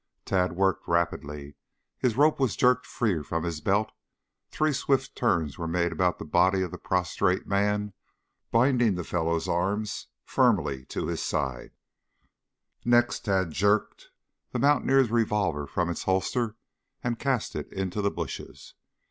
Tad worked rapidly. His rope was jerked free from his belt. Three swift turns were made about the body of the prostrate man, binding the fellow's arms firmly to his sides. Next Tad jerked the mountaineer's revolver from its holster and cast it into the bushes.